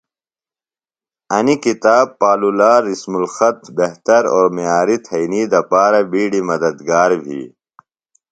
انیۡ کِتاب پالولا رسم الخط بہتر او معیاریۡ تھئنی دپارہ بیڈیۡ مدد گار بھی۔